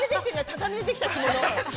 畳でできた着物。